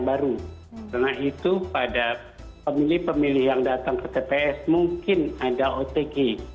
karena itu pada pemilih pemilih yang datang ke tps mungkin ada otg